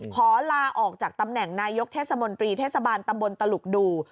ขอลาออกจากตำแหน่งนายกเทศมนตรีเทศบาลตำบลตลุกดู